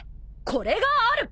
これがある！